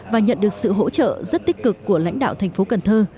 và nhận được sự hỗ trợ rất tích cực của lãnh đạo tp cần thơ